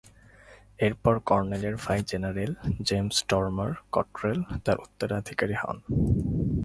এরপর কর্নেলের ভাই general James ডরমার-কট্রেল তার উত্তরাধিকারী হন।